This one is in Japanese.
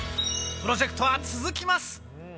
プロジェクトは続きます。